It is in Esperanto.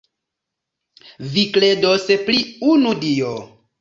Vi kredos pri unu Dio.